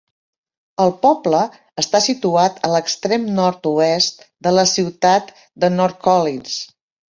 El poble està situat a l'extrem nord-oest de la ciutat de North Collins.